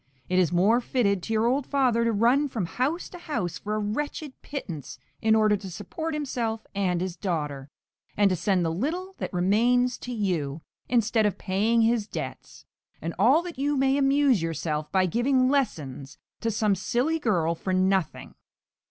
It is more fitted to your old father to run from house to house for a wretched pittance in order to support himself and his daughter, and to send the little that remains to you, instead of paying his debts; and all that you may amuse yourself by giving lessons to some silly girl for nothing!